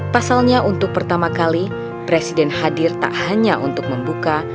pasalnya untuk pertama kali presiden hadir tak hanya untuk membuka